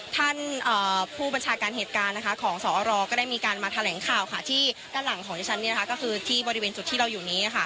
ท่านผู้บัญชาการเหตุการณ์ของสหรอก็ได้มามาแถลงข่าวที่ด้านหลังของฉันอยู่อยู่นี้